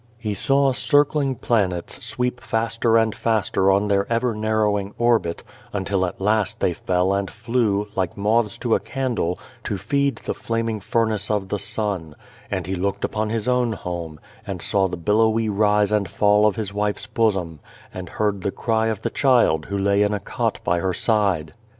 He saw circling planets sweep faster and faster on their ever narrowing orbit, until at last they fell and flew, like moths to a candle, to feed the flaming furnace of the sun ; and he looked upon his own home, and saw the billowy rise and fall of his wife's bosom, and heard the cry of the child who lay in a cot by her side.